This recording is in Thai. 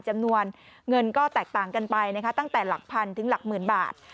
จำนวนเงินก็แตกต่างกันไปนะคะตั้งแต่หลักพันถึงหลักหมื่นบาท